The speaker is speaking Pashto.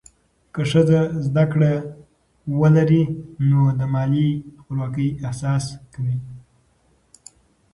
که ښځه زده کړه ولري، نو د مالي خپلواکۍ احساس کوي.